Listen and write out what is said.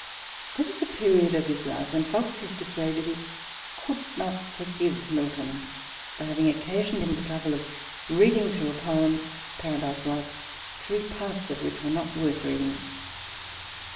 There was a period of his life when Fox used to say that he could not forgive Milton for having occasioned him the trouble of reading through a poem (" Paradise Lost "), three parts of which were not worth reading.